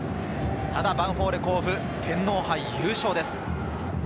ヴァンフォーレ甲府は天皇杯優勝です。